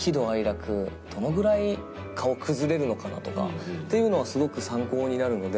どのぐらい顔崩れるのかなとかっていうのはすごく参考になるので。